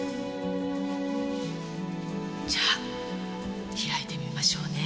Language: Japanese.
じゃあ開いてみましょうね。